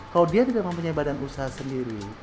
kalau dia tidak mempunyai badan usaha sendiri